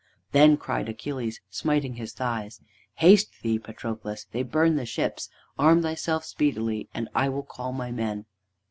Then cried Achilles, smiting his thighs: "Haste thee, Patroclus! They burn the ships! Arm thyself speedily, and I will call my men!"